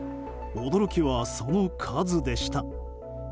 驚きは、その数でした。